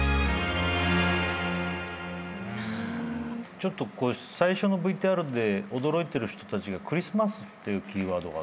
ちょっと最初のＶＴＲで驚いてる人たちがクリスマスってキーワードがあったよね？